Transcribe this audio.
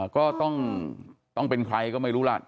ก็ต้องเป็นใครก็ไม่รู้ล่ะ